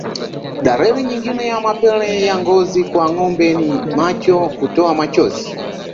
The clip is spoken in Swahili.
Dalili nyingine ya mapele ya ngozi kwa ngombe ni macho kutoa machozi